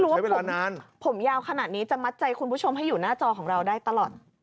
ใช่นี่ไม่รู้ว่าผมผมยาวขนาดนี้จะมัดใจคุณผู้ชมให้อยู่หน้าจอของเราได้ตลอด